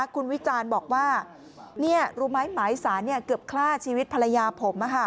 คุณวิจารณ์บอกว่ารู้ไหมหมายสารเกือบฆ่าชีวิตภรรยาผม